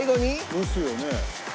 蒸すよね？